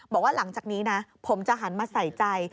บอกว่าหลังจากนี้นะผมจะหันมาใส่ใจ